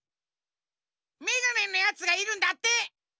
メガネのやつがいるんだって！